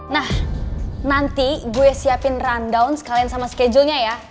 nah nanti gue siapin rundown sekalian sama schedule nya ya